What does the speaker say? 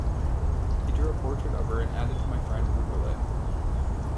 He drew a portrait of her and added To my friend Gribouille.